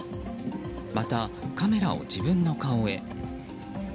またカメラを自分の顔へ。